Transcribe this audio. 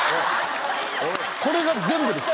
これが全部です。